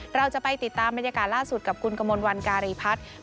เราจะไปติดตามบรรยากาศล่าสุดกับคุณกมลวันการีพัฒน์